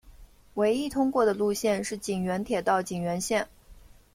唯一通过的路线是井原铁道井原线。